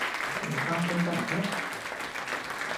唔返工得唔得？